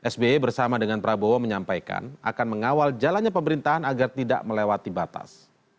sby bersama dengan prabowo menyampaikan akan mengawal jalannya pemerintahan agar tidak melewati batas